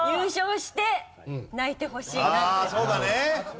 ああそうだね。